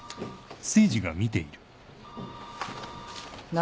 何。